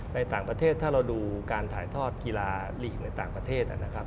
ในต่างประเทศถ้าเราดูการถ่ายทอดกีฬาลีกในต่างประเทศนะครับ